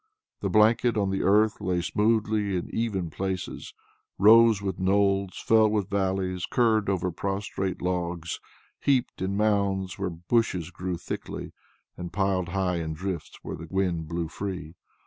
The blanket on the earth lay smoothly in even places, rose with knolls, fell with valleys, curved over prostrate logs, heaped in mounds where bushes grew thickly, and piled high in drifts where the wind blew free.